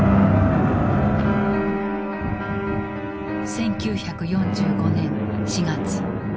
１９４５年４月。